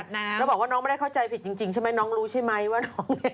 แล้วบอกว่าน้องไม่ได้เข้าใจผิดจริงใช่ไหมน้องรู้ใช่ไหมว่าน้องเนี่ย